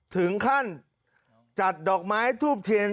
ถึงขั้นจัดดอกไม้ทูบเทียน